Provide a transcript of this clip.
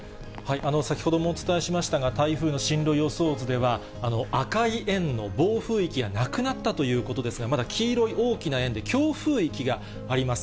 先ほどもお伝えしましたが、台風の進路予想図では、赤い円の暴風域がなくなったということですが、まだ黄色い大きな円で強風域があります。